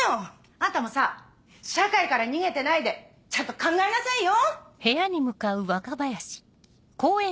あんたもさ社会から逃げてないでちゃんと考えなさいよ！